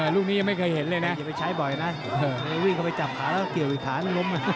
ลูกนี้ยังไม่เคยเห็นเลยนะอย่าไปใช้บ่อยนะวิ่งไปจับขาเหลือเหลงล้ม